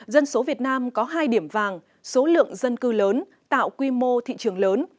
dân số việt nam có hai điểm vàng số lượng dân cư lớn tạo quy mô thị trường lớn